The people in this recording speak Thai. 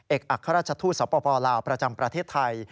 อัครราชทูตสปลาวประจำประเทศไทย